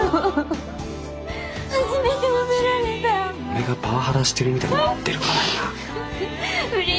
俺がパワハラしてるみたいになってるから今。